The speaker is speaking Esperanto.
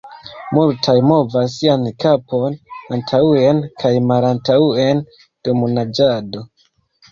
Multaj movas sian kapon antaŭen kaj malantaŭen dum naĝado.